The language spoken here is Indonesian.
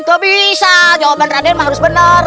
gak bisa jawaban raden mah harus bener